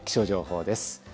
では気象情報です。